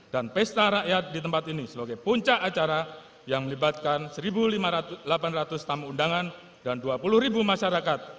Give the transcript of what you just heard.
dan pesta rakyat di tempat ini selagi puncak acara yang melibatkan satu delapan ratus tamu undangan dan dua puluh masyarakat